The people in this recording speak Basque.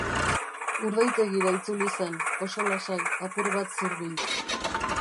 Urdaitegira itzuli zen, oso lasai, apur bat zurbil.